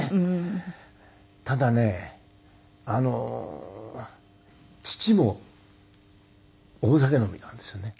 ただねあの父も大酒飲みなんですよね。